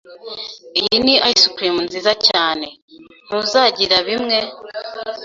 Iyi ni ice cream nziza cyane. Ntuzagira bimwe?